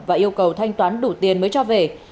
và yêu cầu thanh toán đủ tiền mới cho về